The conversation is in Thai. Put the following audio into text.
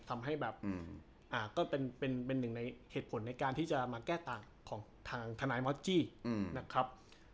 ทำให้แบบก็เป็นหนึ่งในเหตุผลในการที่จะมาแก้ต่างของทางทนายมอสจี้นะครับ